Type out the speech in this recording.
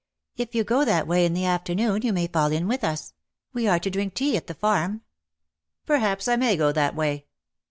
*' If you go that way in the afternoon you may fall in with us : we are to drink tea at the farm.^' '' Perhaps I may go that way.'''